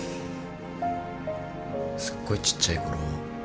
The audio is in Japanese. すっごいちっちゃいころ